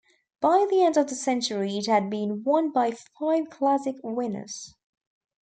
By the end of the century it had been won by five Classic winners.